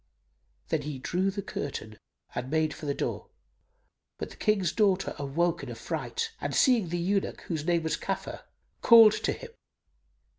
Then he drew the curtain and made for the door; but the King's daughter awoke in affright and seeing the eunuch, whose name was Káfúr, called to him.